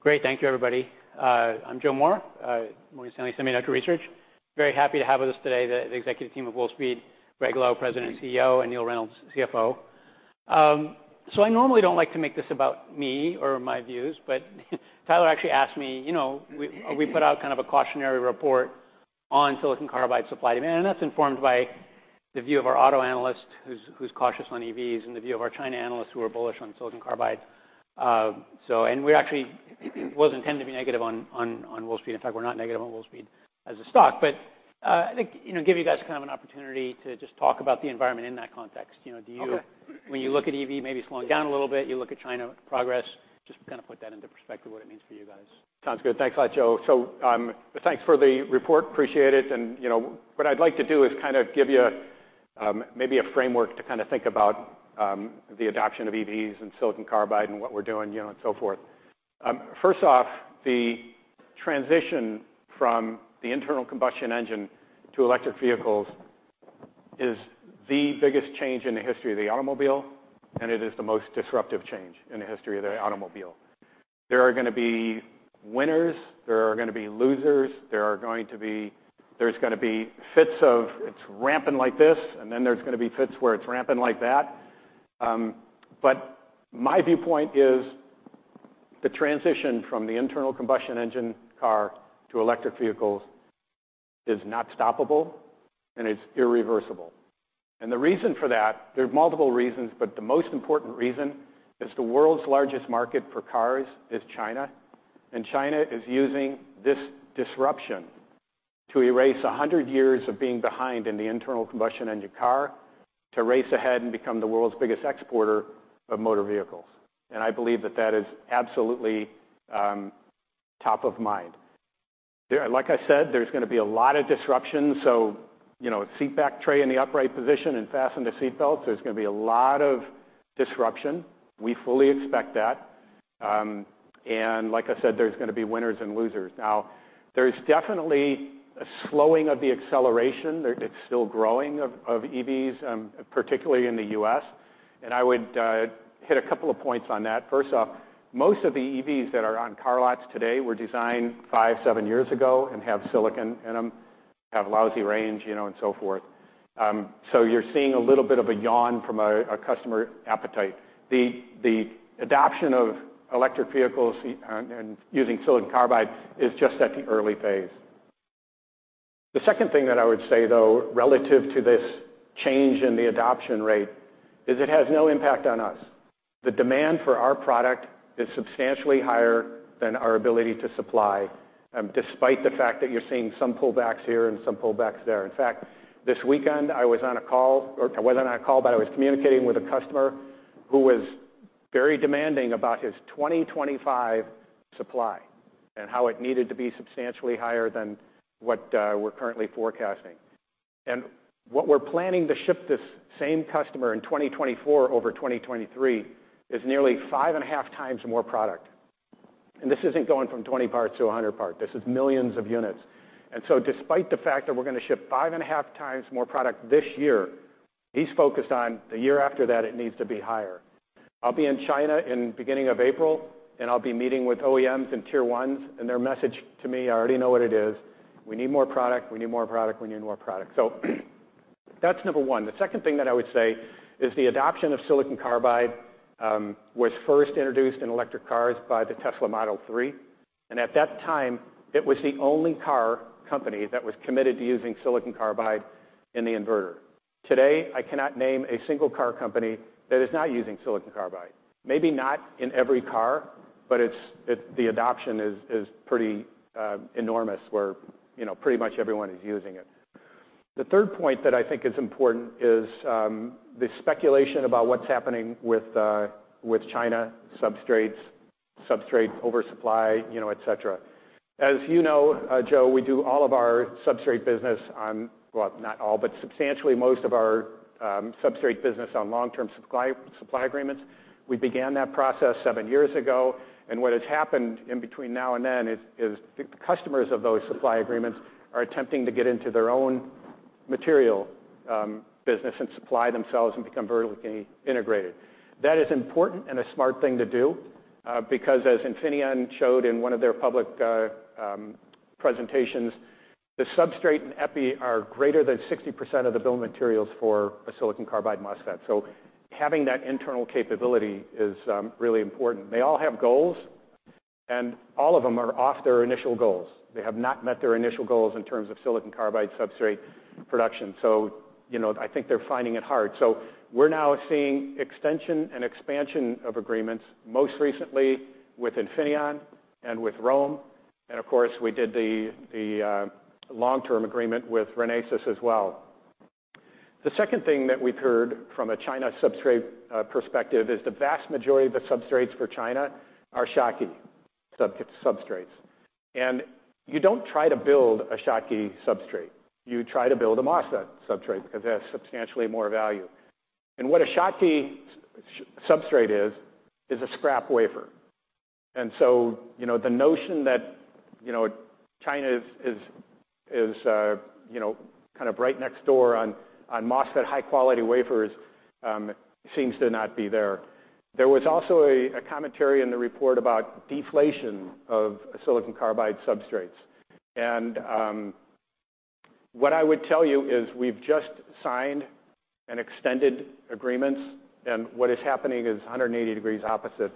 Great, thank you, everybody. I'm Joe Moore, Morgan Stanley Semiconductors Research. Very happy to have with us today the executive team of Wolfspeed, Gregg Lowe, President and CEO, and Neill Reynolds, CFO. So I normally don't like to make this about me or my views, but Tyler actually asked me, you know, we put out kind of a cautionary report on silicon carbide supply demand, and that's informed by the view of our auto analyst, who's cautious on EVs, and the view of our China analyst who are bullish on silicon carbides. So and we're actually it wasn't intended to be negative on Wolfspeed. In fact, we're not negative on Wolfspeed as a stock. But, I think, you know, give you guys kind of an opportunity to just talk about the environment in that context. You know, do you, when you look at EV maybe slowing down a little bit, you look at China progress, just kind of put that into perspective, what it means for you guys? Sounds good. Thanks a lot, Joe. So, thanks for the report. Appreciate it. And, you know, what I'd like to do is kind of give you, maybe a framework to kind of think about, the adoption of EVs and silicon carbide and what we're doing, you know, and so forth. First off, the transition from the internal combustion engine to electric vehicles is the biggest change in the history of the automobile, and it is the most disruptive change in the history of the automobile. There are gonna be winners. There are gonna be losers. There are going to be there's gonna be fits of it's ramping like this, and then there's gonna be fits where it's ramping like that. But my viewpoint is the transition from the internal combustion engine car to electric vehicles is not stoppable, and it's irreversible. The reason for that there are multiple reasons, but the most important reason is the world's largest market for cars is China. China is using this disruption to erase 100 years of being behind in the internal combustion engine car to race ahead and become the world's biggest exporter of motor vehicles. I believe that that is absolutely top of mind. There, like I said, there's gonna be a lot of disruption. So, you know, seatback tray in the upright position and fasten the seatbelts. There's gonna be a lot of disruption. We fully expect that. Like I said, there's gonna be winners and losers. Now, there's definitely a slowing of the acceleration. There, it's still growing of EVs, particularly in the U.S. I would hit a couple of points on that. First off, most of the EVs that are on car lots today were designed 5, 7 years ago and have silicon in them, have lousy range, you know, and so forth. So you're seeing a little bit of a yawn from a customer appetite. The adoption of electric vehicles and using silicon carbide is just at the early phase. The second thing that I would say, though, relative to this change in the adoption rate is it has no impact on us. The demand for our product is substantially higher than our ability to supply, despite the fact that you're seeing some pullbacks here and some pullbacks there. In fact, this weekend, I was on a call or I wasn't on a call, but I was communicating with a customer who was very demanding about his 2025 supply and how it needed to be substantially higher than what we're currently forecasting. What we're planning to ship this same customer in 2024 over 2023 is nearly 5.5 times more product. This isn't going from 20 parts to 100 parts. This is millions of units. So despite the fact that we're gonna ship 5.5 times more product this year, he's focused on the year after that, it needs to be higher. I'll be in China in beginning of April, and I'll be meeting with OEMs and Tier 1s. And their message to me, I already know what it is. We need more product. We need more product. We need more product. So that's number one. The second thing that I would say is the adoption of silicon carbide, was first introduced in electric cars by the Tesla Model 3. And at that time, it was the only car company that was committed to using silicon carbide in the inverter. Today, I cannot name a single car company that is not using silicon carbide. Maybe not in every car, but it's the adoption is pretty enormous where, you know, pretty much everyone is using it. The third point that I think is important is, the speculation about what's happening with, with China substrates, substrate oversupply, you know, et cetera. As you know, Joe, we do all of our substrate business on well, not all, but substantially most of our, substrate business on long-term supply agreements. We began that process 7 years ago. What has happened in between now and then is the customers of those supply agreements are attempting to get into their own materials business and supply themselves and become vertically integrated. That is important and a smart thing to do, because as Infineon showed in one of their public presentations, the substrate and epi are greater than 60% of the build materials for a silicon carbide MOSFET. So having that internal capability is really important. They all have goals. All of them are off their initial goals. They have not met their initial goals in terms of silicon carbide substrate production. So, you know, I think they're finding it hard. So we're now seeing extension and expansion of agreements, most recently with Infineon and with ROHM. And, of course, we did the long-term agreement with Renesas as well. The second thing that we've heard from a China substrate perspective is the vast majority of the substrates for China are Schottky substrates. And you don't try to build a Schottky substrate. You try to build a MOSFET substrate because it has substantially more value. And what a Schottky substrate is, is a scrap wafer. And so, you know, the notion that, you know, China is, you know, kind of right next door on, on MOSFET high-quality wafers, seems to not be there. There was also a commentary in the report about deflation of silicon carbide substrates. And, what I would tell you is we've just signed an extended agreement. And what is happening is 180 degrees opposite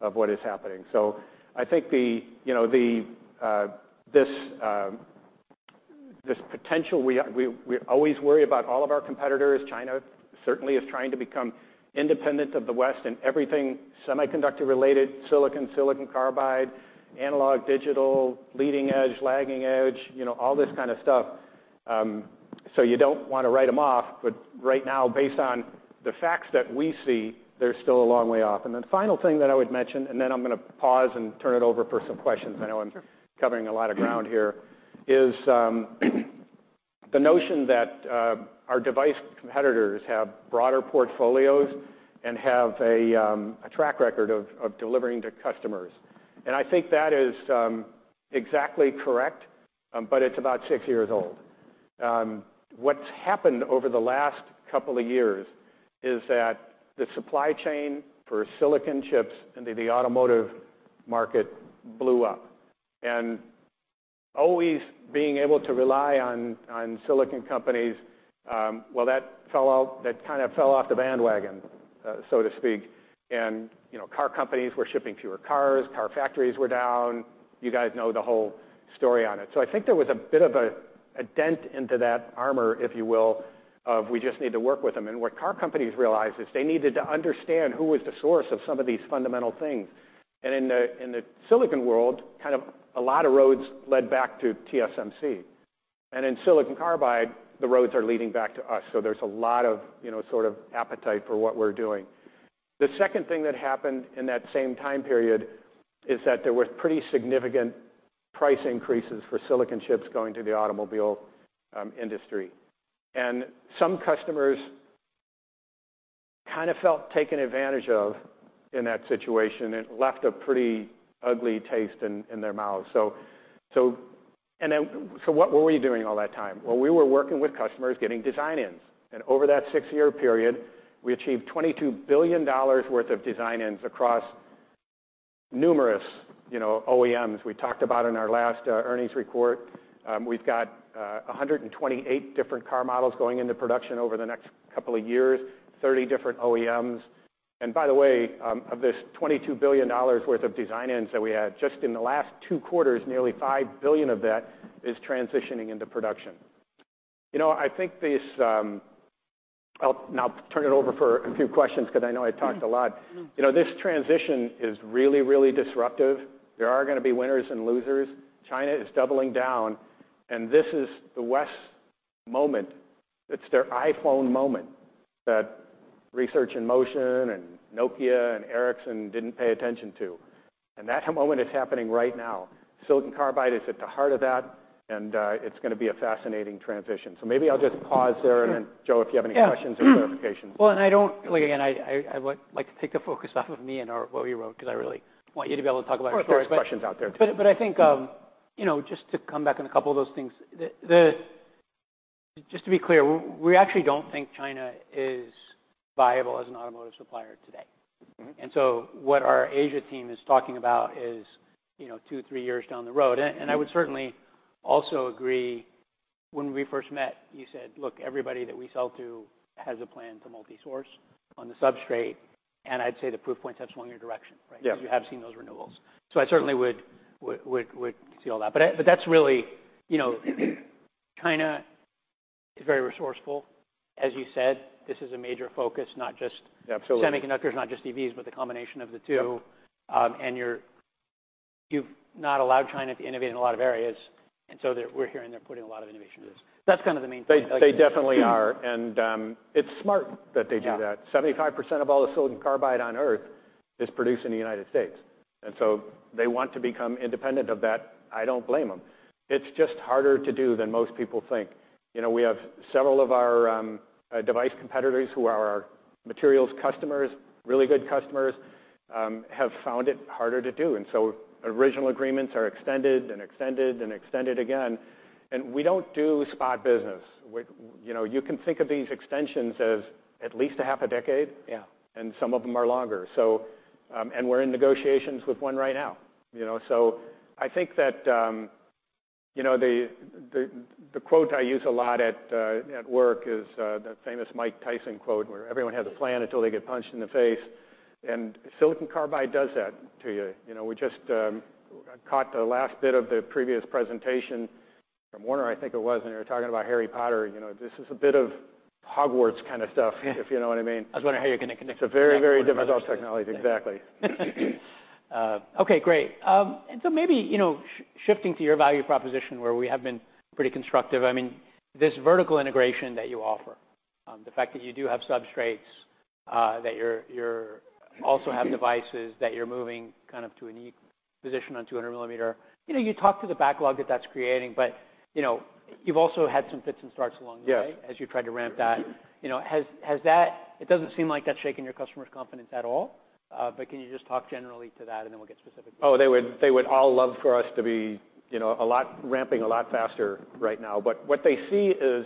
of what is happening. So I think the, you know, the, this, this potential we we always worry about all of our competitors. China certainly is trying to become independent of the West in everything semiconductor related, silicon, silicon carbide, analog, digital, leading edge, lagging edge, you know, all this kind of stuff. So you don't wanna write them off. But right now, based on the facts that we see, they're still a long way off. And the final thing that I would mention and then I'm gonna pause and turn it over for some questions. I know I'm covering a lot of ground here is, the notion that, our device competitors have broader portfolios and have a, a track record of, of delivering to customers. And I think that is, exactly correct, but it's about 6 years old. What's happened over the last couple of years is that the supply chain for silicon chips in the automotive market blew up. And always being able to rely on silicon companies, well, that kind of fell off the bandwagon, so to speak. And, you know, car companies were shipping fewer cars. Car factories were down. You guys know the whole story on it. So I think there was a bit of a dent into that armor, if you will, of we just need to work with them. And what car companies realized is they needed to understand who was the source of some of these fundamental things. And in the silicon world, kind of a lot of roads led back to TSMC. And in silicon carbide, the roads are leading back to us. So there's a lot of, you know, sort of appetite for what we're doing. The second thing that happened in that same time period is that there were pretty significant price increases for silicon chips going to the automobile industry. Some customers kind of felt taken advantage of in that situation. It left a pretty ugly taste in their mouths. So what were we doing all that time? Well, we were working with customers getting design-ins. And over that 6-year period, we achieved $22 billion worth of design-ins across numerous, you know, OEMs. We talked about in our last earnings report. We've got 128 different car models going into production over the next couple of years, 30 different OEMs. And by the way, of this $22 billion worth of design-ins that we had just in the last 2 quarters, nearly $5 billion of that is transitioning into production. You know, I think this. I'll now turn it over for a few questions because I know I talked a lot. You know, this transition is really, really disruptive. There are gonna be winners and losers. China is doubling down. And this is the West moment. It's their iPhone moment that Research In Motion and Nokia and Ericsson didn't pay attention to. And that moment is happening right now. Silicon carbide is at the heart of that. And it's gonna be a fascinating transition. So maybe I'll just pause there. And then, Joe, if you have any questions or clarifications. Yeah. Well, and I don't like, again, I would like to take the focus off of me and our what we wrote because I really want you to be able to talk about your stories. Of course. There's questions out there too. But I think, you know, just to come back on a couple of those things, just to be clear, we actually don't think China is viable as an automotive supplier today. Mm-hmm. So what our Asia team is talking about is, you know, 2, 3 years down the road. And I would certainly also agree when we first met, you said, "Look, everybody that we sell to has a plan to multi-source on the substrate." And I'd say the proof points have swung your direction, right? Yeah. Because you have seen those renewals. So I certainly would see all that. But that's really, you know, China is very resourceful. As you said, this is a major focus, not just. Yeah. Absolutely. Semiconductors, not just EVs, but the combination of the two. Yeah. You've not allowed China to innovate in a lot of areas. And so we're hearing they're putting a lot of innovation into this. That's kind of the main thing. They definitely are. And it's smart that they do that. 75% of all the silicon carbide on Earth is produced in the United States. And so they want to become independent of that. I don't blame them. It's just harder to do than most people think. You know, we have several of our device competitors who are our materials customers, really good customers, have found it harder to do. And so original agreements are extended and extended and extended again. And we don't do spot business. What, you know, you can think of these extensions as at least a half a decade. Yeah. Some of them are longer. So, we're in negotiations with one right now, you know? So I think that, you know, the quote I use a lot at work is the famous Mike Tyson quote where everyone has a plan until they get punched in the face. And silicon carbide does that to you. You know, we just caught the last bit of the previous presentation from Warner, I think it was. And they were talking about Harry Potter. You know, this is a bit of Hogwarts kind of stuff, if you know what I mean. I was wondering how you're gonna connect to that. It's a very, very difficult technology. Exactly. Okay. Great. And so maybe, you know, shifting to your value proposition where we have been pretty constructive. I mean, this vertical integration that you offer, the fact that you do have substrates, that you're also have devices that you're moving kind of to a neat position on 200-millimeter, you know, you talk to the backlog that that's creating. But, you know, you've also had some fits and starts along the way. Yeah. As you tried to ramp that. You know, has that. It doesn't seem like that's shaken your customers' confidence at all. But can you just talk generally to that? And then we'll get specific to that. Oh, they would they would all love for us to be, you know, a lot ramping a lot faster right now. But what they see is,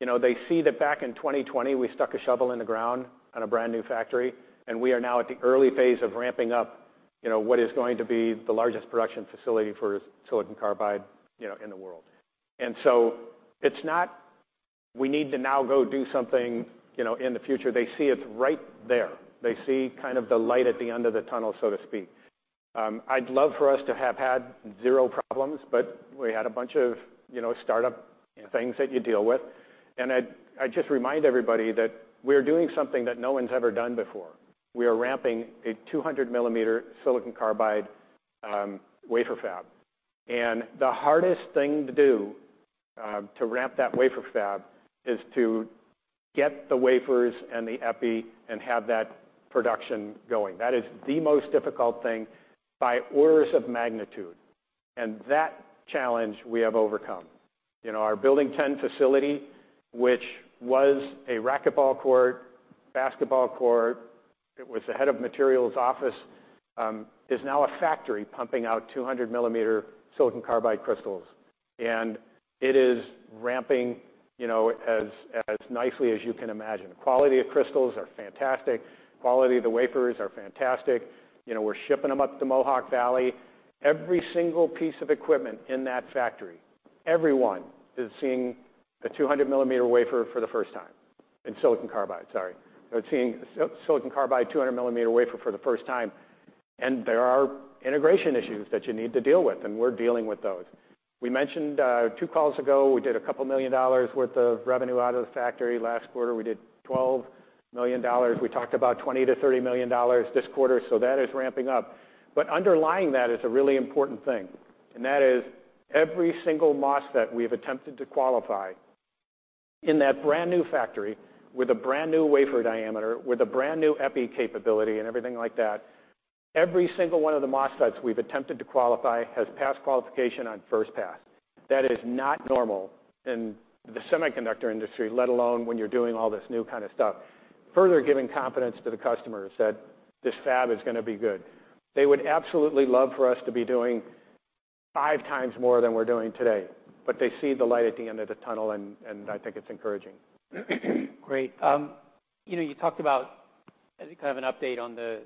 you know, they see that back in 2020, we stuck a shovel in the ground on a brand new factory. And we are now at the early phase of ramping up, you know, what is going to be the largest production facility for silicon carbide, you know, in the world. And so it's not we need to now go do something, you know, in the future. They see it's right there. They see kind of the light at the end of the tunnel, so to speak. I'd love for us to have had 0 problems. But we had a bunch of, you know, startup things that you deal with. I, I just remind everybody that we're doing something that no one's ever done before. We are ramping a 200-millimeter silicon carbide wafer fab. The hardest thing to do, to ramp that wafer fab, is to get the wafers and the epi and have that production going. That is the most difficult thing by orders of magnitude. That challenge we have overcome. You know, our Building 10 facility, which was a racquetball court, basketball court, it was the head of materials' office, is now a factory pumping out 200-millimeter silicon carbide crystals. It is ramping, you know, as nicely as you can imagine. The quality of crystals are fantastic. Quality of the wafers are fantastic. You know, we're shipping them up to Mohawk Valley. Every single piece of equipment in that factory, everyone is seeing a 200-millimeter wafer for the first time. Silicon carbide, sorry. They're seeing silicon carbide 200 millimeter wafer for the first time. There are integration issues that you need to deal with. We're dealing with those. We mentioned, 2 calls ago, we did a couple million dollars worth of revenue out of the factory last quarter. We did $12 million. We talked about $20 million-$30 million this quarter. That is ramping up. But underlying that is a really important thing. Every single MOSFET we've attempted to qualify in that brand new factory with a brand new wafer diameter, with a brand new epi capability, and everything like that, every single one of the MOSFETs we've attempted to qualify has passed qualification on first pass. That is not normal in the semiconductor industry, let alone when you're doing all this new kind of stuff. Further giving confidence to the customers that this fab is gonna be good. They would absolutely love for us to be doing 5 times more than we're doing today. But they see the light at the end of the tunnel. And I think it's encouraging. Great. You know, you talked about kind of an update on the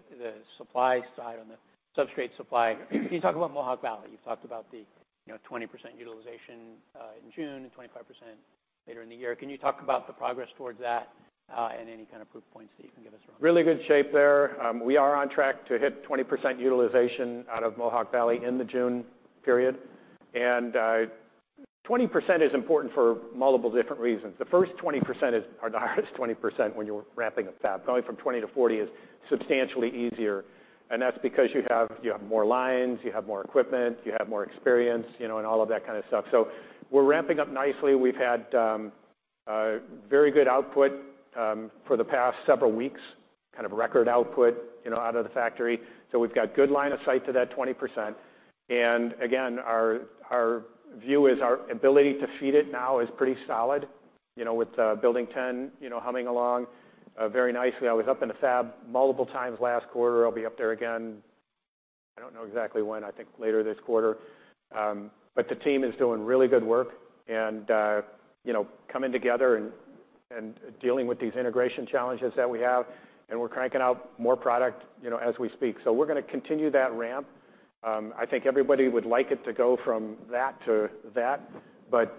supply side, on the substrate supply. Can you talk about Mohawk Valley? You've talked about, you know, 20% utilization in June and 25% later in the year. Can you talk about the progress towards that, and any kind of proof points that you can give us around that? Really good shape there. We are on track to hit 20% utilization out of Mohawk Valley in the June period. 20% is important for multiple different reasons. The first 20% is the hardest 20% when you're ramping a fab. Going from 20-40 is substantially easier. That's because you have more lines. You have more equipment. You have more experience, you know, and all of that kind of stuff. So we're ramping up nicely. We've had very good output for the past several weeks, kind of record output, you know, out of the factory. So we've got good line of sight to that 20%. Again, our view is our ability to feed it now is pretty solid, you know, with Building 10, you know, humming along very nicely. I was up in the fab multiple times last quarter. I'll be up there again. I don't know exactly when. I think later this quarter. But the team is doing really good work. And, you know, coming together and, and dealing with these integration challenges that we have. And we're cranking out more product, you know, as we speak. So we're gonna continue that ramp. I think everybody would like it to go from that to that. But,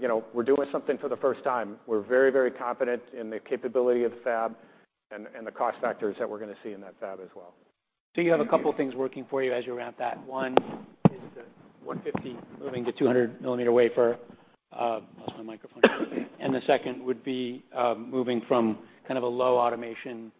you know, we're doing something for the first time. We're very, very confident in the capability of the fab and, and the cost factors that we're gonna see in that fab as well. So you have a couple of things working for you as you ramp that. One is the 150 moving to 200 millimeter wafer. And the second would be moving from kind of a low automation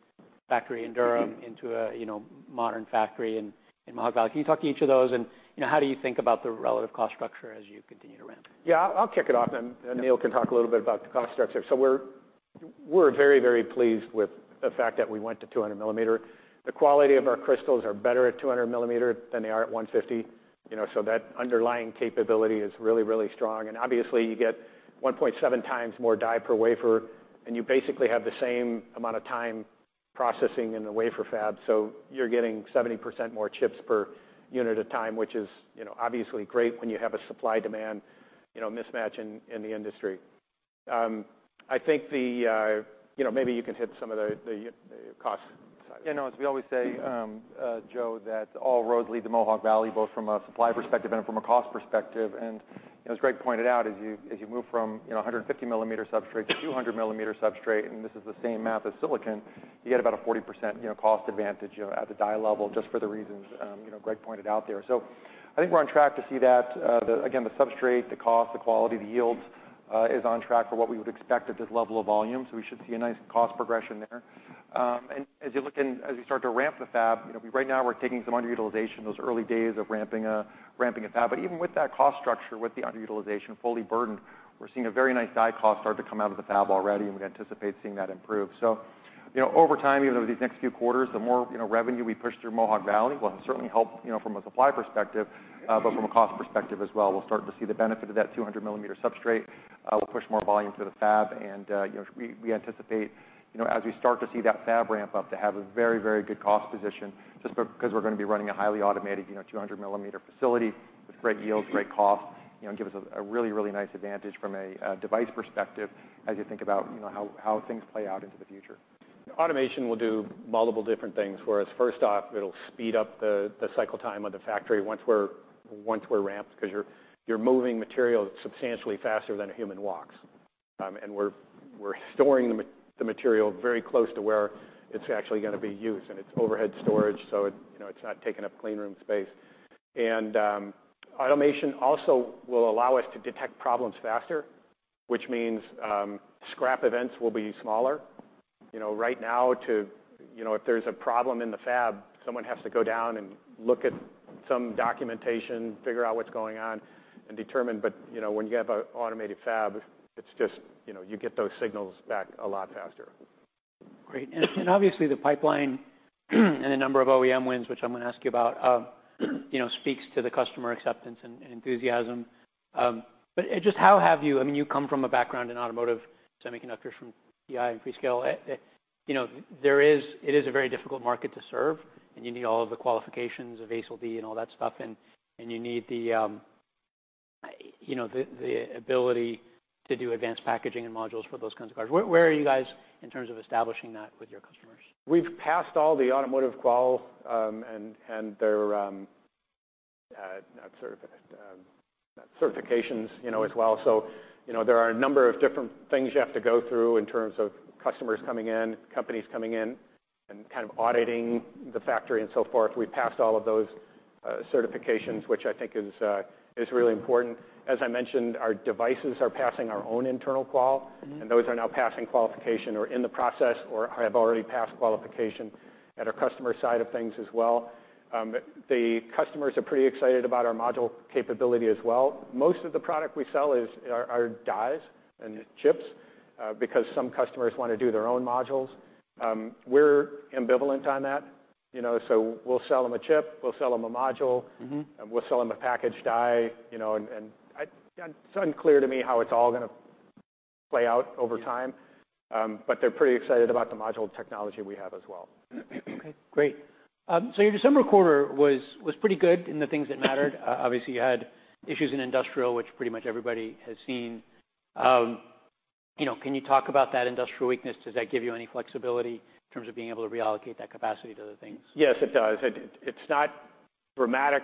factory in Durham into a, you know, modern factory in, in Mohawk Valley. Can you talk to each of those? And, you know, how do you think about the relative cost structure as you continue to ramp? Yeah. I'll kick it off. And Neill can talk a little bit about the cost structure. So we're very, very pleased with the fact that we went to 200 millimeter. The quality of our crystals are better at 200 millimeter than they are at 150, you know? So that underlying capability is really, really strong. And obviously, you get 1.7x more die per wafer. And you basically have the same amount of time processing in the wafer fab. So you're getting 70% more chips per unit of time, which is, you know, obviously great when you have a supply-demand, you know, mismatch in the industry. I think, you know, maybe you can hit some of the cost side. Yeah. No. As we always say, Joe, that all roads lead to Mohawk Valley, both from a supply perspective and from a cost perspective. And, you know, as Greg pointed out, as you move from, you know, 150 millimeter substrate to 200 millimeter substrate, and this is the same math as silicon, you get about a 40% cost advantage, you know, at the die level just for the reasons, you know, Greg pointed out there. So I think we're on track to see that, again, the substrate, the cost, the quality, the yields, is on track for what we would expect at this level of volume. So we should see a nice cost progression there, and as you look in as we start to ramp the fab, you know, we right now, we're taking some underutilization, those early days of ramping a fab. But even with that cost structure, with the underutilization fully burdened, we're seeing a very nice die cost start to come out of the fab already. We anticipate seeing that improve. So, you know, over time, even over these next few quarters, the more, you know, revenue we push through Mohawk Valley, well, it'll certainly help, you know, from a supply perspective, but from a cost perspective as well. We'll start to see the benefit of that 200-millimeter substrate. We'll push more volume to the fab. You know, we anticipate, you know, as we start to see that fab ramp up, to have a very, very good cost position just because we're gonna be running a highly automated, you know, 200 millimeter facility with great yields, great costs, you know, give us a really, really nice advantage from a device perspective as you think about, you know, how things play out into the future. Automation will do multiple different things. Whereas, first off, it'll speed up the cycle time of the factory once we're ramped because you're moving material substantially faster than a human walks. And we're storing the material very close to where it's actually gonna be used. And it's overhead storage. So it, you know, it's not taking up clean room space. And, automation also will allow us to detect problems faster, which means, scrap events will be smaller. You know, right now, you know, if there's a problem in the fab, someone has to go down and look at some documentation, figure out what's going on, and determine. But, you know, when you have an automated fab, it's just, you know, you get those signals back a lot faster. Great. And obviously, the pipeline and the number of OEM wins, which I'm gonna ask you about, you know, speaks to the customer acceptance and enthusiasm. But it just how have you. I mean, you come from a background in automotive semiconductors from TI and Freescale. You know, there is it is a very difficult market to serve. And you need all of the qualifications of ASIL D and all that stuff. And you need the, you know, the ability to do advanced packaging and modules for those kinds of cars. Where are you guys in terms of establishing that with your customers? We've passed all the automotive qual and their certifications, you know, as well. So, you know, there are a number of different things you have to go through in terms of customers coming in, companies coming in, and kind of auditing the factory and so forth. We've passed all of those certifications, which I think is really important. As I mentioned, our devices are passing our own internal qual. Mm-hmm. Those are now passing qualification or in the process or have already passed qualification at our customer side of things as well. The customers are pretty excited about our module capability as well. Most of the product we sell is our, our dies and chips, because some customers wanna do their own modules. We're ambivalent on that, you know? So we'll sell them a chip. We'll sell them a module. Mm-hmm. We'll sell them a packaged die, you know? And it's unclear to me how it's all gonna play out over time. Mm-hmm. They're pretty excited about the module technology we have as well. Okay. Great. So your December quarter was pretty good in the things that mattered. Obviously, you had issues in industrial, which pretty much everybody has seen. You know, can you talk about that industrial weakness? Does that give you any flexibility in terms of being able to reallocate that capacity to the things? Yes, it does. It's not dramatic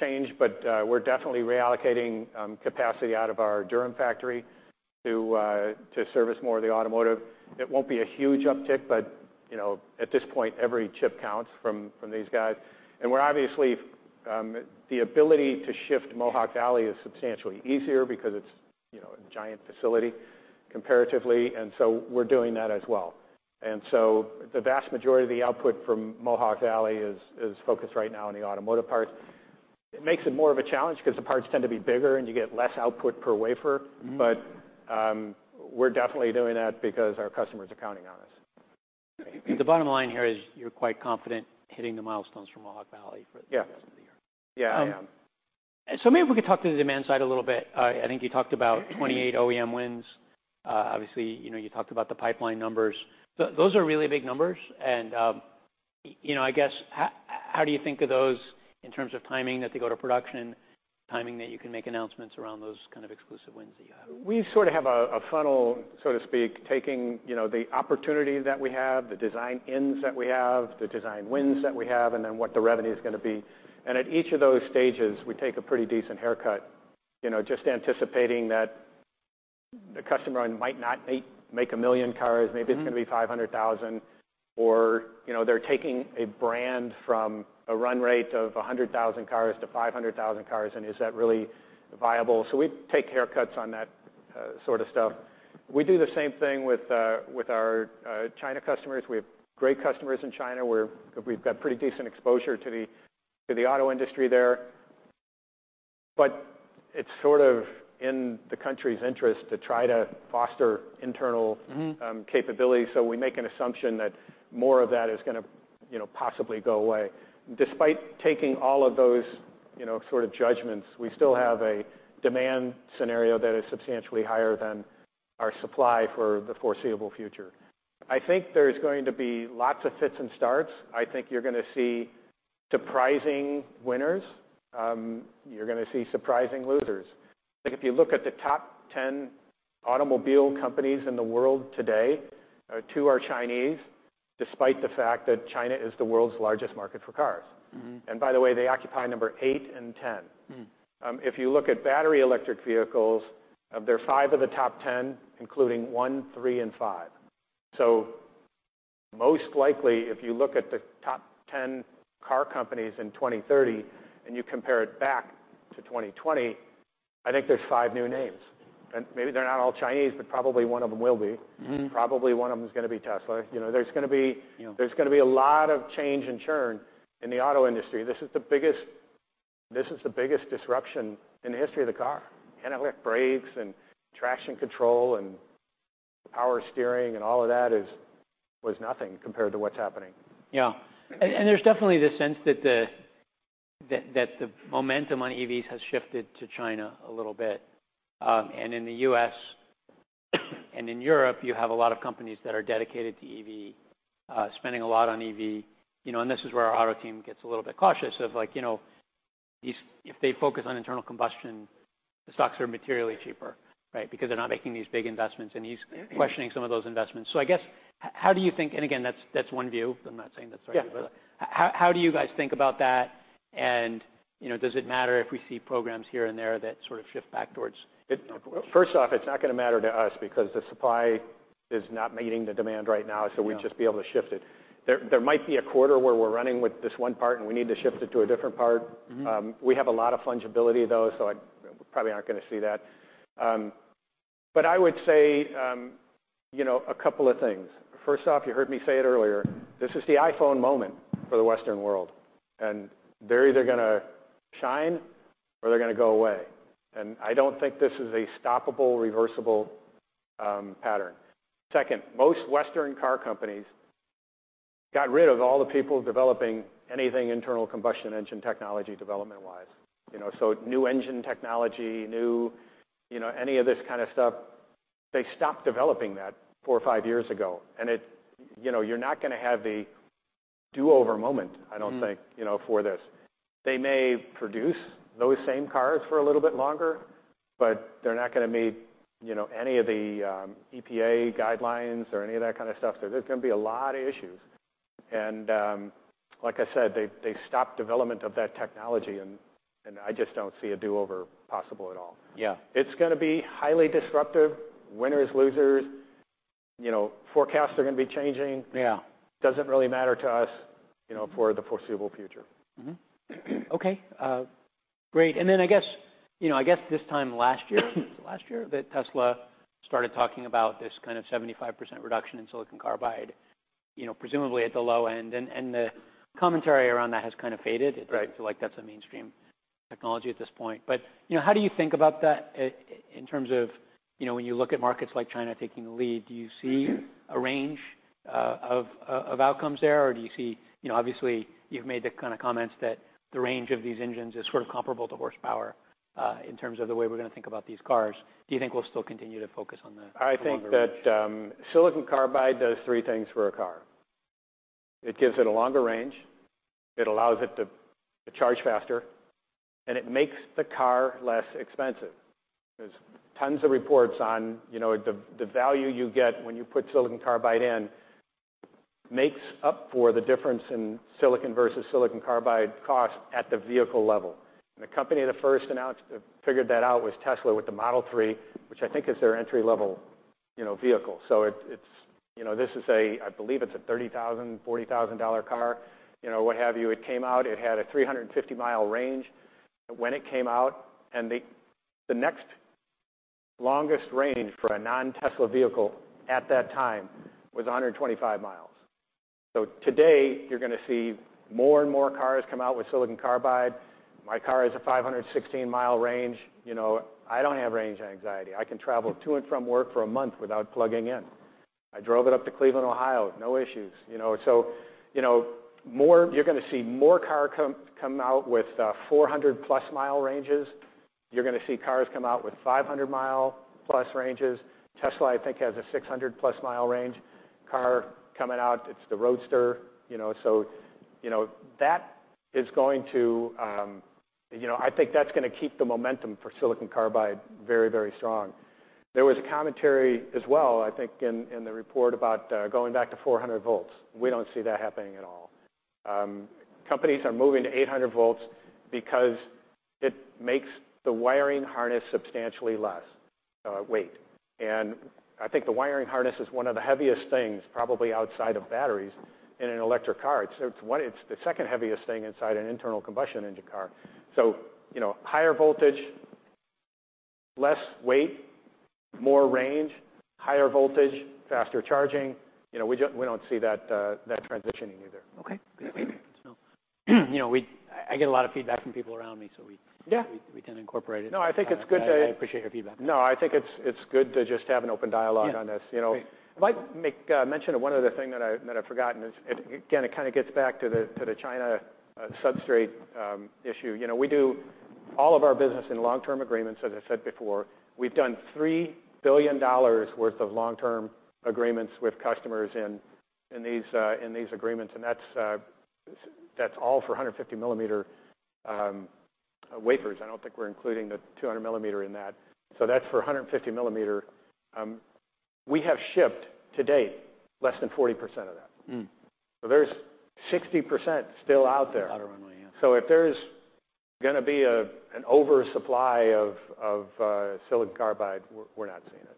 change. We're definitely reallocating capacity out of our Durham factory to service more of the automotive. It won't be a huge uptick. You know, at this point, every chip counts from these guys. And we're obviously. The ability to shift Mohawk Valley is substantially easier because it's you know, a giant facility comparatively. And so we're doing that as well. And so the vast majority of the output from Mohawk Valley is focused right now on the automotive parts. It makes it more of a challenge because the parts tend to be bigger. And you get less output per wafer. Mm-hmm. But we're definitely doing that because our customers are counting on us. The bottom line here is you're quite confident hitting the milestones for Mohawk Valley for the rest of the year. Yeah. Yeah, I am. So maybe we could talk to the demand side a little bit. I think you talked about 28 OEM wins. Obviously, you know, you talked about the pipeline numbers. Those are really big numbers. And, you know, I guess, how do you think of those in terms of timing that they go to production, timing that you can make announcements around those kind of exclusive wins that you have? We sort of have a funnel, so to speak, taking, you know, the opportunity that we have, the design-ins that we have, the design wins that we have, and then what the revenue is gonna be. And at each of those stages, we take a pretty decent haircut, you know, just anticipating that the customer might not need make 1 million cars. Maybe it's gonna be 500,000. Mm-hmm. Or, you know, they're taking a brand from a run rate of 100,000 cars to 500,000 cars. And is that really viable? So we take haircuts on that, sort of stuff. We do the same thing with our China customers. We have great customers in China. We've got pretty decent exposure to the auto industry there. But it's sort of in the country's interest to try to foster internal. Mm-hmm. capability. So we make an assumption that more of that is gonna, you know, possibly go away. Despite taking all of those, you know, sort of judgments, we still have a demand scenario that is substantially higher than our supply for the foreseeable future. I think there's going to be lots of fits and starts. I think you're gonna see surprising winners. You're gonna see surprising losers. I think if you look at the top 10 automobile companies in the world today, two are Chinese, despite the fact that China is the world's largest market for cars. Mm-hmm. By the way, they occupy number 8 and 10. Mm-hmm. If you look at battery electric vehicles, there are five of the top 10, including 1, 3, and 5. So most likely, if you look at the top 10 car companies in 2030 and you compare it back to 2020, I think there's five new names. And maybe they're not all Chinese. But probably one of them will be. Mm-hmm. Probably one of them's gonna be Tesla. You know, there's gonna be. Yeah. There's gonna be a lot of change and churn in the auto industry. This is the biggest disruption in the history of the car. Antilock brakes and traction control and power steering and all of that was nothing compared to what's happening. Yeah. And there's definitely this sense that the momentum on EVs has shifted to China a little bit. And in the U.S. and in Europe, you have a lot of companies that are dedicated to EV, spending a lot on EV. You know, and this is where our auto team gets a little bit cautious of, like, you know, these if they focus on internal combustion, the stocks are materially cheaper, right, because they're not making these big investments. And he's questioning some of those investments. So I guess, how do you think, and again, that's one view. I'm not saying that's right. Yeah. But, how do you guys think about that? And, you know, does it matter if we see programs here and there that sort of shift back towards? It, first off, it's not gonna matter to us because the supply is not meeting the demand right now. Yeah. We'd just be able to shift it. There might be a quarter where we're running with this one part. We need to shift it to a different part. Mm-hmm. We have a lot of fungibility, though. So I probably aren't gonna see that. But I would say, you know, a couple of things. First off, you heard me say it earlier. This is the iPhone moment for the Western world. And they're either gonna shine or they're gonna go away. And I don't think this is a stoppable, reversible, pattern. Second, most Western car companies got rid of all the people developing anything internal combustion engine technology development-wise, you know? So new engine technology, new, you know, any of this kind of stuff, they stopped developing that four or five years ago. And, you know, you're not gonna have the do-over moment, I don't think, you know, for this. Mm-hmm. They may produce those same cars for a little bit longer. But they're not gonna meet, you know, any of the, EPA guidelines or any of that kind of stuff. So there's gonna be a lot of issues. And, like I said, they stopped development of that technology. And I just don't see a do-over possible at all. Yeah. It's gonna be highly disruptive. Winners, losers. You know, forecasts are gonna be changing. Yeah. Doesn't really matter to us, you know, for the foreseeable future. Mm-hmm. Okay. Great. And then I guess, you know, I guess this time last year, was it last year that Tesla started talking about this kind of 75% reduction in silicon carbide, you know, presumably at the low end? And the commentary around that has kind of faded. Right. It seems like that's a mainstream technology at this point. But, you know, how do you think about that, in terms of, you know, when you look at markets like China taking the lead, do you see a range of outcomes there? Or do you see you know, obviously, you've made the kind of comments that the range of these engines is sort of comparable to horsepower, in terms of the way we're gonna think about these cars. Do you think we'll still continue to focus on the longer range? I think that silicon carbide does three things for a car. It gives it a longer range. It allows it to charge faster. And it makes the car less expensive because tons of reports on, you know, the value you get when you put silicon carbide in makes up for the difference in silicon versus silicon carbide cost at the vehicle level. And the company that first announced figured that out was Tesla with the Model 3, which I think is their entry-level, you know, vehicle. So it, it's you know, this is a I believe it's a $30,000-$40,000 car, you know, what have you. It came out. It had a 350-mile range when it came out. And the next longest range for a non-Tesla vehicle at that time was 125 miles. So today, you're gonna see more and more cars come out with silicon carbide. My car is a 516-mile range. You know, I don't have range anxiety. I can travel to and from work for a month without plugging in. I drove it up to Cleveland, Ohio. No issues, you know? So, you know, more you're gonna see more cars come out with 400+-mile ranges. You're gonna see cars come out with 500-mile+ ranges. Tesla, I think, has a 600+-mile range car coming out. It's the Roadster, you know? So, you know, that is going to, you know, I think that's gonna keep the momentum for silicon carbide very, very strong. There was a commentary as well, I think, in the report about going back to 400 volts. We don't see that happening at all. Companies are moving to 800 volts because it makes the wiring harness substantially less weight. I think the wiring harness is one of the heaviest things, probably outside of batteries, in an electric car. It's, it's one, it's the second heaviest thing inside an internal combustion engine car. So, you know, higher voltage, less weight, more range, higher voltage, faster charging. You know, we don't see that transitioning either. Okay. Good. So, you know, I get a lot of feedback from people around me. So we. Yeah. We tend to incorporate it. No, I think it's good to. I appreciate your feedback. No, I think it's, it's good to just have an open dialogue on this, you know? Okay. I might mention one other thing that I've forgotten. It again kinda gets back to the China substrate issue. You know, we do all of our business in long-term agreements, as I said before. We've done $3 billion worth of long-term agreements with customers in these agreements. And that's all for 150-millimeter wafers. I don't think we're including the 200-millimeter in that. So that's for 150-millimeter. We have shipped, to date, less than 40% of that. So there's 60% still out there. Out of runway, yeah. If there's gonna be an oversupply of silicon carbide, we're not seeing it.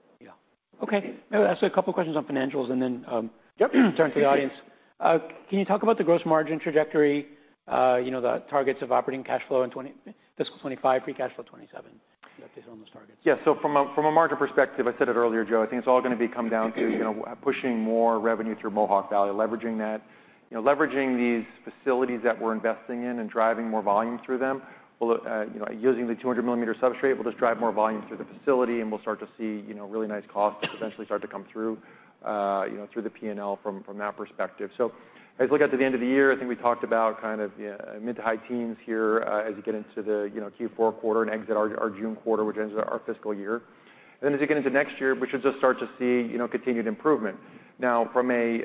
Yeah. Okay. That was actually a couple of questions on financials. And then, Yep. Turn to the audience. Can you talk about the gross margin trajectory, you know, the targets of operating cash flow in 2020 fiscal 2025, free cash flow 2027? You updated on those targets. Yeah. So from a market perspective, I said it earlier, Joe, I think it's all gonna come down to, you know, us pushing more revenue through Mohawk Valley, leveraging that, you know, leveraging these facilities that we're investing in and driving more volume through them. We'll, you know, using the 200-millimeter substrate, we'll just drive more volume through the facility. And we'll start to see, you know, really nice costs that eventually start to come through, you know, through the P&L from that perspective. So as we get to the end of the year, I think we talked about kind of, you know, mid- to high-teens here, as you get into the, you know, Q4 quarter and exit our June quarter, which ends our fiscal year. And then as you get into next year, we should just start to see, you know, continued improvement. Now, from a you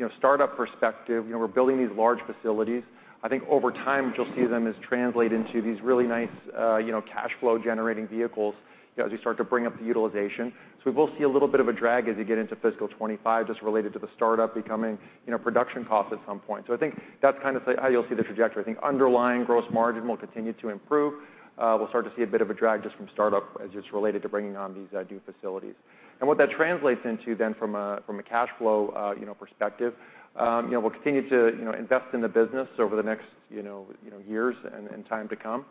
know, startup perspective, you know, we're building these large facilities. I think, over time, you'll see them as translate into these really nice, you know, cash flow-generating vehicles, you know, as we start to bring up the utilization. So we will see a little bit of a drag as you get into fiscal 2025 just related to the startup becoming, you know, production cost at some point. So I think that's kind of the how you'll see the trajectory. I think underlying gross margin will continue to improve. We'll start to see a bit of a drag just from startup as it's related to bringing on these new facilities. What that translates into then from a cash flow, you know, perspective, you know, we'll continue to, you know, invest in the business over the next, you know, years and time to come.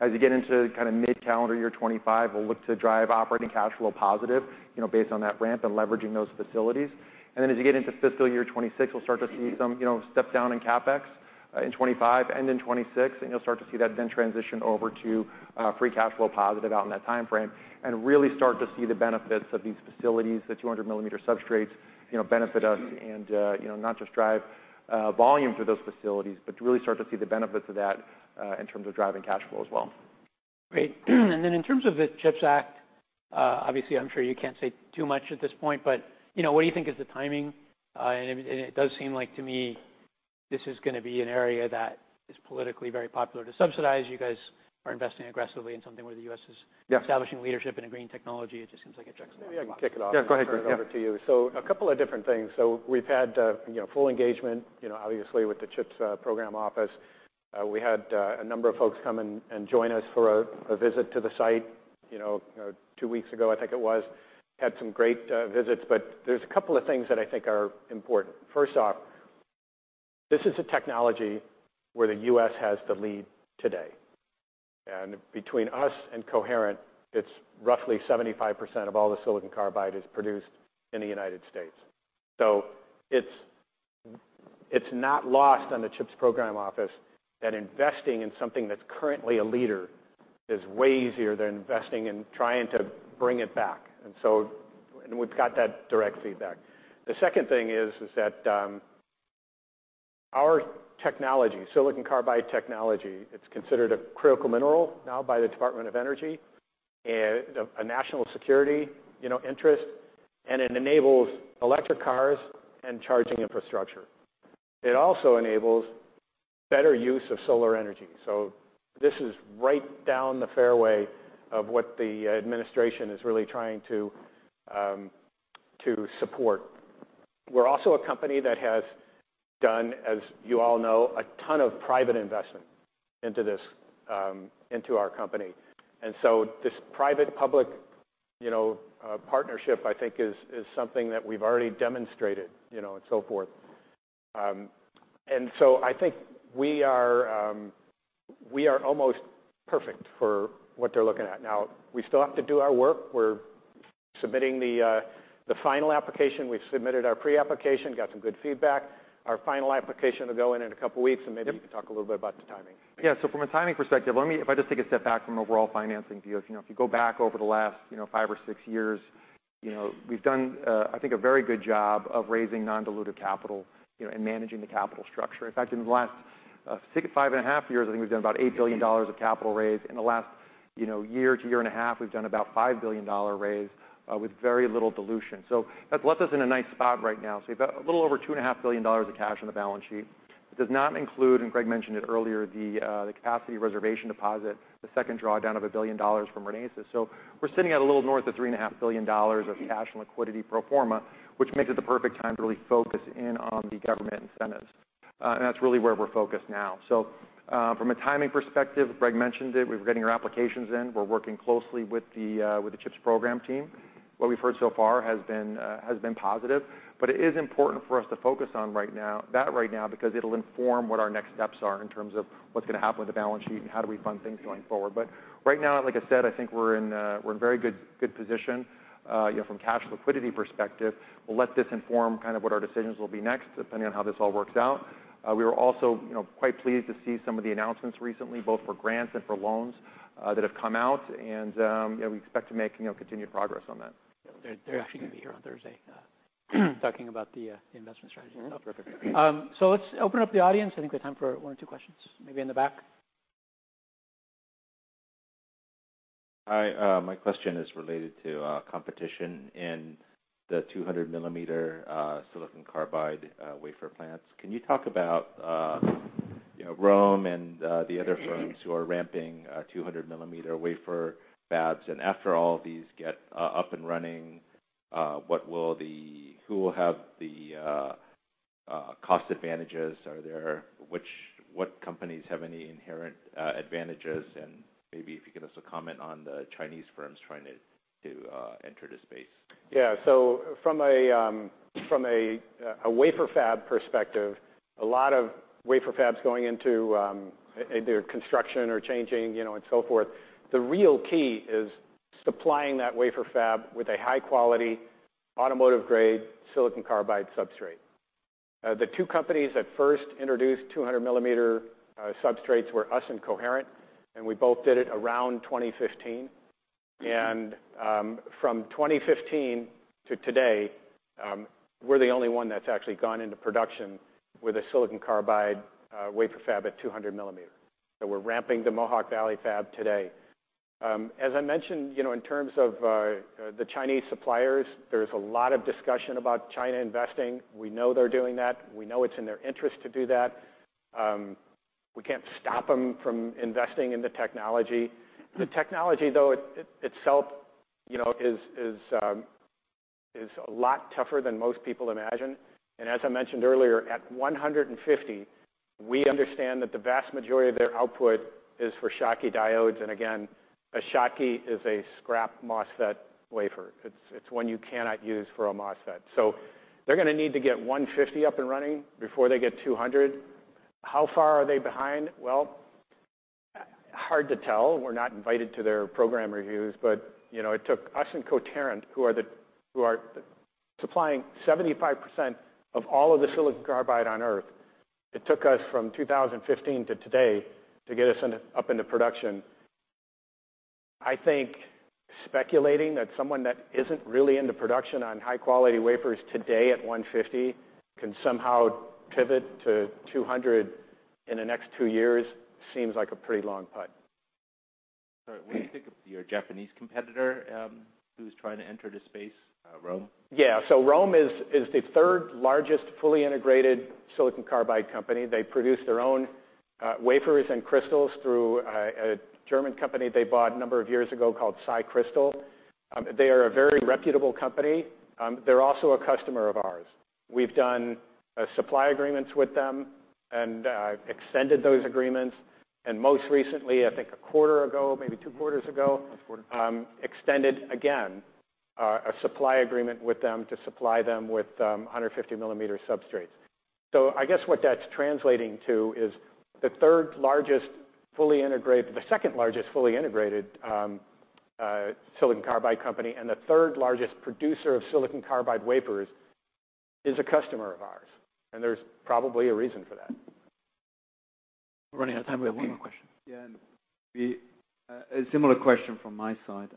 As you get into kind of mid-calendar year 2025, we'll look to drive operating cash flow positive, you know, based on that ramp and leveraging those facilities. And then as you get into fiscal year 2026, we'll start to see some, you know, step down in CapEx, in 2025 and in 2026. You'll start to see that then transition over to free cash flow positive out in that time frame and really start to see the benefits of these facilities, the 200-millimeter substrates, you know, benefit us and, you know, not just drive volume through those facilities but really start to see the benefits of that, in terms of driving cash flow as well. Great. And then in terms of the CHIPS Act, obviously, I'm sure you can't say too much at this point. But, you know, what do you think is the timing? And it does seem like, to me, this is gonna be an area that is politically very popular to subsidize. You guys are investing aggressively in something where the U.S. is. Yeah. Establishing leadership in a green technology. It just seems like it checks out. Yeah. We can kick it off. Yeah. Go ahead, Gregg. Over to you. So a couple of different things. So we've had, you know, full engagement, you know, obviously, with the CHIPS Program Office. We had a number of folks come and join us for a visit to the site, you know, two weeks ago, I think it was. Had some great visits. But there's a couple of things that I think are important. First off, this is a technology where the U.S. has the lead today. And between us and Coherent, it's roughly 75% of all the silicon carbide is produced in the United States. So it's not lost on the CHIPS Program Office that investing in something that's currently a leader is way easier than investing in trying to bring it back. And so we've got that direct feedback. The second thing is that our technology, silicon carbide technology, it's considered a critical mineral now by the Department of Energy and a national security, you know, interest. And it enables electric cars and charging infrastructure. It also enables better use of solar energy. So this is right down the fairway of what the administration is really trying to support. We're also a company that has done, as you all know, a ton of private investment into this, into our company. And so this private-public, you know, partnership, I think, is something that we've already demonstrated, you know, and so forth, and so I think we are almost perfect for what they're looking at. Now, we still have to do our work. We're submitting the final application. We've submitted our pre-application, got some good feedback. Our final application will go in a couple of weeks. Maybe you can talk a little bit about the timing. Yeah. So from a timing perspective, let me, if I just take a step back from an overall financing view. If, you know, if you go back over the last, you know, 5 or 6 years, you know, we've done, I think, a very good job of raising non-dilutive capital, you know, and managing the capital structure. In fact, in the last five and a half years, I think we've done about $8 billion of capital raise. In the last, you know, year to year and a half, we've done about $5 billion raise, with very little dilution. So that's left us in a nice spot right now. So we've got a little over $2.5 billion of cash on the balance sheet. It does not include, and Gregg mentioned it earlier, the capacity reservation deposit, the second drawdown of $1 billion from Renesas. So we're sitting at a little north of $3.5 billion of cash and liquidity pro forma, which makes it the perfect time to really focus in on the government incentives. That's really where we're focused now. From a timing perspective, Gregg mentioned it. We're getting our applications in. We're working closely with the CHIPS program team. What we've heard so far has been positive. But it is important for us to focus on right now that right now because it'll inform what our next steps are in terms of what's gonna happen with the balance sheet and how do we fund things going forward. But right now, like I said, I think we're in very good position, you know, from cash liquidity perspective. We'll let this inform kind of what our decisions will be next depending on how this all works out. We were also, you know, quite pleased to see some of the announcements recently, both for grants and for loans, that have come out. And, you know, we expect to make, you know, continued progress on that. They're actually gonna be here on Thursday, talking about the investment strategy and stuff. Perfect. Let's open up the audience. I think we have time for one or two questions, maybe in the back. Hi. My question is related to competition in the 200-millimeter silicon carbide wafer plants. Can you talk about, you know, ROHM and the other firms who are ramping 200-millimeter wafer fabs? And after all of these get up and running, what will the who will have the cost advantages? Are there which what companies have any inherent advantages? And maybe if you can also comment on the Chinese firms trying to enter the space. Yeah. So from a wafer fab perspective, a lot of wafer fabs going into either construction or changing, you know, and so forth, the real key is supplying that wafer fab with a high-quality, automotive-grade silicon carbide substrate. The two companies that first introduced 200-millimeter substrates were us and Coherent. And we both did it around 2015. And from 2015 to today, we're the only one that's actually gone into production with a silicon carbide wafer fab at 200 millimeter. So we're ramping the Mohawk Valley fab today. As I mentioned, you know, in terms of the Chinese suppliers, there's a lot of discussion about China investing. We know they're doing that. We know it's in their interest to do that. We can't stop them from investing in the technology. The technology, though, it itself, you know, is a lot tougher than most people imagine. And as I mentioned earlier, at 150, we understand that the vast majority of their output is for Schottky diodes. And again, a Schottky is a scrap MOSFET wafer. It's one you cannot use for a MOSFET. So they're gonna need to get 150 up and running before they get 200. How far are they behind? Well, hard to tell. We're not invited to their program reviews. But, you know, it took us and Coherent, who are supplying 75% of all of the silicon carbide on Earth, from 2015 to today to get us into production. I think speculating that someone that isn't really into production on high-quality wafers today at 150 can somehow pivot to 200 in the next two years seems like a pretty long putt. All right. When you think of your Japanese competitor, who's trying to enter the space, ROHM? Yeah. So ROHM is the third largest fully integrated silicon carbide company. They produce their own wafers and crystals through a German company they bought a number of years ago called SiCrystal. They are a very reputable company. They're also a customer of ours. We've done supply agreements with them and extended those agreements. And most recently, I think a quarter ago, maybe two quarters ago. Last quarter. extended again a supply agreement with them to supply them with 150-millimeter substrates. So I guess what that's translating to is the third largest fully integrated, the second largest fully integrated, silicon carbide company and the third largest producer of silicon carbide wafers is a customer of ours. And there's probably a reason for that. We're running out of time. We have one more question. Yeah. And we, a similar question from my side,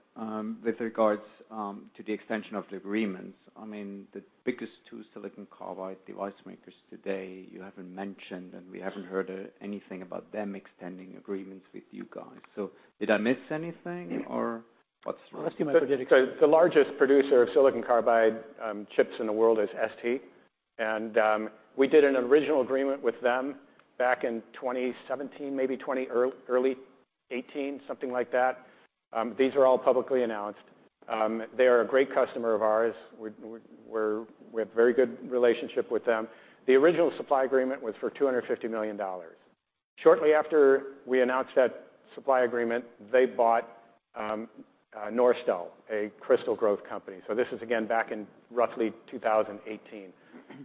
with regards to the extension of the agreements. I mean, the biggest two silicon carbide device makers today, you haven't mentioned. And we haven't heard anything about them extending agreements with you guys. So did I miss anything, or what's the. Let's do my prediction. So the largest producer of silicon carbide chips in the world is ST. We did an original agreement with them back in 2017, maybe early 2018, something like that. These are all publicly announced. They are a great customer of ours. We have a very good relationship with them. The original supply agreement was for $250 million. Shortly after we announced that supply agreement, they bought Norstel, a crystal growth company. So this is, again, back in roughly 2018.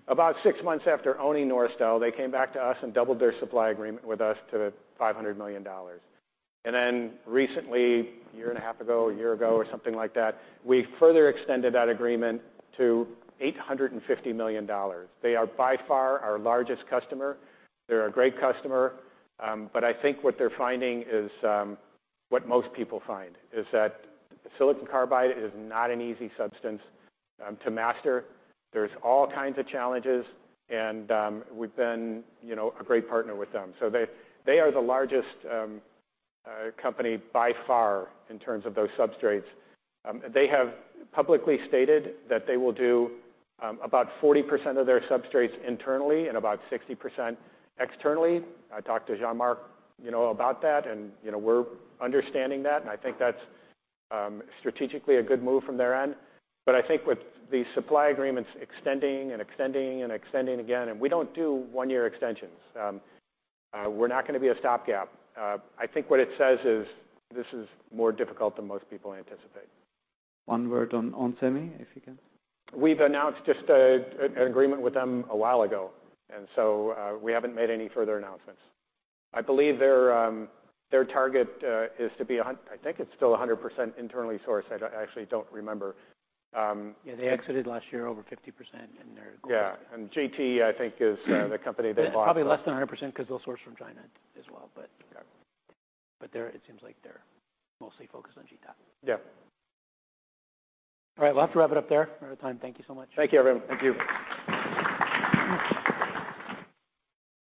About six months after owning Norstel, they came back to us and doubled their supply agreement with us to $500 million. And then recently, a year and a half ago, a year ago, or something like that, we further extended that agreement to $850 million. They are by far our largest customer. They're a great customer. But I think what they're finding is, what most people find, is that silicon carbide is not an easy substance to master. There's all kinds of challenges. And we've been, you know, a great partner with them. So they, they are the largest company by far in terms of those substrates. They have publicly stated that they will do about 40% of their substrates internally and about 60% externally. I talked to Jean-Marc, you know, about that. And, you know, we're understanding that. And I think that's strategically a good move from their end. But I think with these supply agreements extending and extending and extending again, and we don't do one-year extensions. We're not gonna be a stopgap. I think what it says is this is more difficult than most people anticipate. One word on onsemi, if you can. We've announced just an agreement with them a while ago. And so, we haven't made any further announcements. I believe their target is to be 100%. I think it's still 100% internally sourced. I actually don't remember. Yeah. They exited last year over 50% in their goals. Yeah. And GTAT, I think, is the company they bought. Yeah. Probably less than 100% 'cause they'll source from China as well. But, but they're it seems like they're mostly focused on GTAT. Yeah. All right. We'll have to wrap it up there. We're out of time. Thank you so much. Thank you, everyone. Thank you.